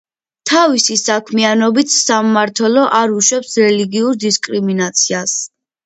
თავისი საქმიანობით, სამმართველო არ უშვებს რელიგიურ დისკრიმინაციას.